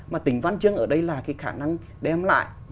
mà tỉnh văn chương ở đây là cái khả năng đem lại